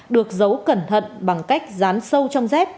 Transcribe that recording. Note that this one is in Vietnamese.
được giấu cẩn thận bằng cách dán sâu trong dép